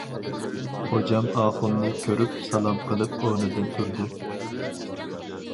خوجام ئاخۇننى كۆرۈپ، سالام قىلىپ ئورنىدىن تۇردى.